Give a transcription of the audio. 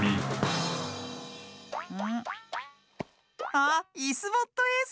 あっ「イスボットエース」！